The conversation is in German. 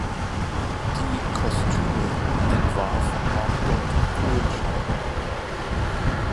Die Kostüme entwarf Margot Kohlschein.